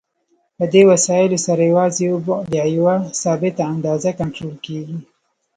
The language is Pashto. په دې وسایلو سره یوازې یو بعد یا یوه ثابته اندازه کنټرول کېږي.